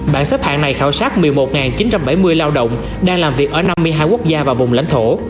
bản xếp hạng này khảo sát một mươi một chín trăm bảy mươi lao động đang làm việc ở năm mươi hai quốc gia và vùng lãnh thổ